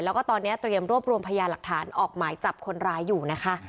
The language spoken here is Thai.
แล้วก็ตอนนี้เตรียมรวบรวมพยาหลักฐานออกหมายจับคนร้ายอยู่นะคะ